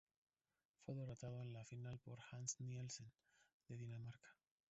Fue derrotado en la final por Hans Nielsen, de Dinamarca.